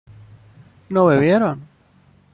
¿no bebieron?